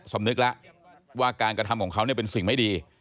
สำนึกแล้วว่าการกระทำของเขาเป็นสิ่งไม่ดี